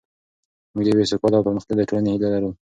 موږ د یوې سوکاله او پرمختللې ټولنې هیله لرو.